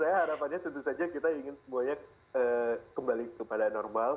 saya harapannya tentu saja kita ingin semuanya kembali kepada normal